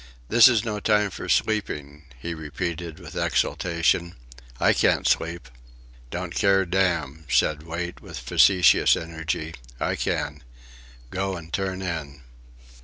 "This is no time for sleeping," he repeated with exaltation. "I can't sleep." "Don't care damn," said Wait, with factitious energy. "I can. Go an' turn in."